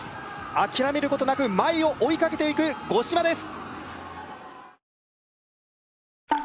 諦めることなく前を追いかけていく五島です